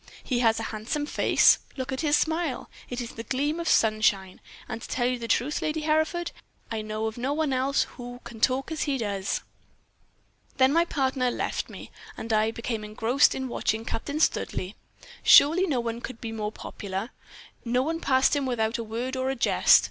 He has a handsome face. Look at his smile; it is like a gleam of sunshine. And, to tell you the truth, Lady Hereford, I know of no one else who can talk as he does.' "Then my partner left me, and I became engrossed in watching Captain Studleigh. Surely no one could be more popular; no one passed him without a word or a jest.